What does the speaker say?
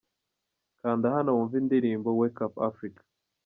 Kanda hano wumve indirimbo "Wake Up Africa".